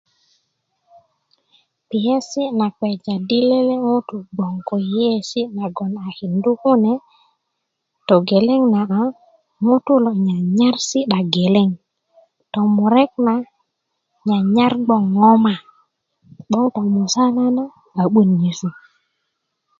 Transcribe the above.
kpiyesi na kpeja di lele ŋutu bgoŋ ko yeiyesi na kindu kune togeleŋ na ŋutu lo nyanuar si'da geleŋ tomurek na nyanyar bgoŋ koma 'boŋ tomusala na a'buön nyesu